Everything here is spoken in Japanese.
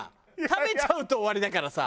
食べちゃうと終わりだからさ。